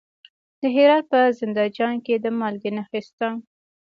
د هرات په زنده جان کې د مالګې نښې شته.